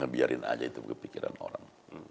biarin aja itu kepikiran orang